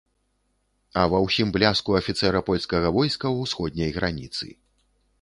А ва ўсім бляску афіцэра польскага войска ўсходняй граніцы.